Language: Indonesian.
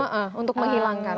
iya untuk menghilangkan